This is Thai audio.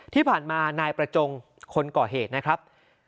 ที่ผ่านมานายประจงคนก่อเหตุนะครับ